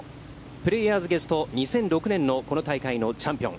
プレーヤーズゲスト、２００６年のこの大会のチャンピオン。